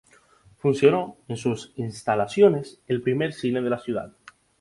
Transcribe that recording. Funcionó en sus instalaciones el primer cine de la ciudad.